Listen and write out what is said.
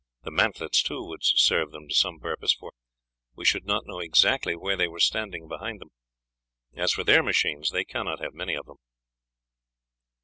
The mantlets too would serve them to some purpose, for we should not know exactly where they were standing behind them. As for their machines, they cannot have many of them."